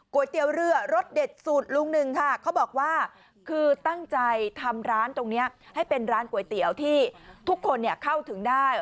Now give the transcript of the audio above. เตี๋ยวเรือรสเด็ดสูตรลุงหนึ่งค่ะเขาบอกว่าคือตั้งใจทำร้านตรงนี้ให้เป็นร้านก๋วยเตี๋ยวที่ทุกคนเข้าถึงได้